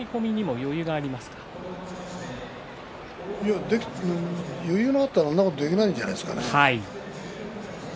余裕があったらあんなことできないんじゃないですか。